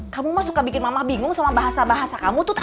kamu mah suka bikin mama bingung sama bahasa bahasa kamu tuh